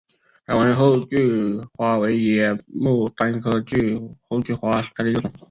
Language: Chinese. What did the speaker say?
台湾厚距花为野牡丹科厚距花属下的一个种。